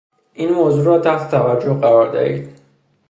این موضوع راتحت توجه قرار دهید